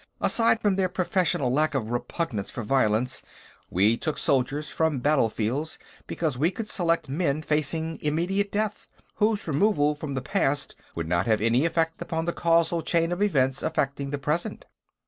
"Aside from their professional lack of repugnance for violence, we took soldiers from battlefields because we could select men facing immediate death, whose removal from the past would not have any effect upon the casual chain of events affecting the present."